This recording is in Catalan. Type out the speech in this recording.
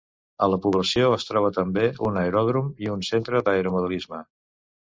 A la població es troba també un aeròdrom i un centre d'aeromodelisme.